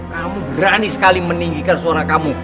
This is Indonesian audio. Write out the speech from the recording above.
kamu berani sekali meninggikan suara kamu